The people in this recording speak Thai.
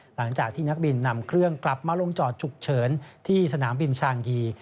หลังจากที่นักบินนำเครื่องกลับมาลงจอดฉุกเฉินที่สนามบินชางยี